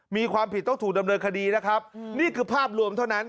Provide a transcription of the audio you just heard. มีความผิดต้องถูกดำเนินคดีนะครับนี่คือภาพรวมเท่านั้น